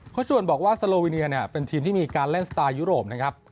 จวนบอกว่าสโลวิเนียเนี่ยเป็นทีมที่มีการเล่นสไตล์ยุโรปนะครับ